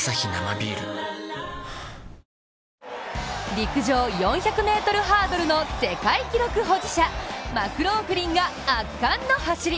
陸上４００ｍハードルの世界記録保持者マクローフリンが圧巻の走り。